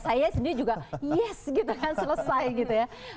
saya sendiri juga yes gitu kan selesai gitu ya